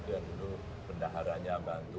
dan dulu pendaharannya bantu